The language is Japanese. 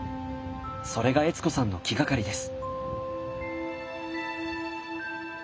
それが悦子さんの気がかりです。